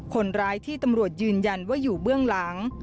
คนร้ายที่ตำรวจยืนยันว่าอยู่เบื้องหลัง